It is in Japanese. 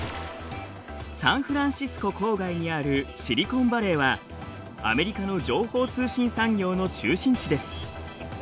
サンフランシスコ郊外にあるシリコンヴァレーはアメリカの情報通信産業の中心地です。